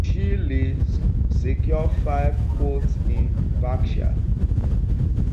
Chile secured five quotas in boccia.